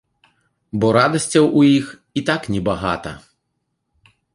Бо радасцяў у іх і так небагата.